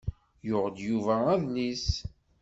Yuɣ-d Yuba adlis.